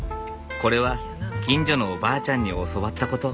これは近所のおばあちゃんに教わったこと。